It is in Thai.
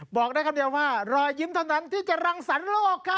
บอกได้คำเดียวว่ารอยยิ้มเท่านั้นที่จะรังสรรค์โลกครับ